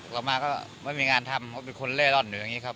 ต่อมาก็ไม่มีงานทำเพราะเป็นคนเล่ร่อนอยู่อย่างนี้ครับ